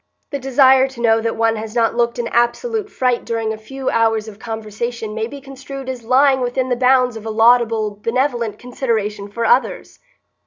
The desire to know that one has not looked an absolute fright during a few hours of conversation may be construed as lying within the bounds of a laudable benevolent consideration for others.